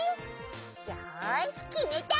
よしきめた！